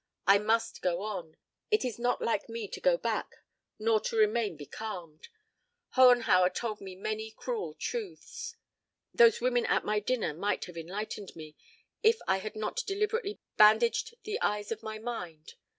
... I must go on. It is not in me to go back nor to remain becalmed. Hohenhauer told me many cruel truths. Those women at my dinner might have enlightened me if I had not deliberately bandaged the eyes of my mind.